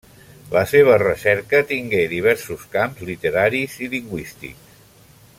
La seva recerca tingué diversos camps, literaris i lingüístics.